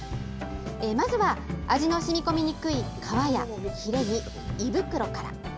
まずは、味のしみこみにくい、皮やひれに胃袋から。